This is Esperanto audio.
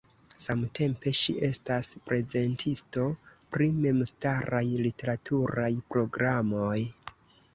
Samtempe ŝi estas prezentisto pri memstaraj literaturaj programoj.